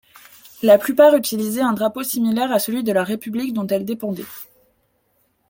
La plupart utilisaient un drapeau similaire à celui de la république dont elles dépendaient.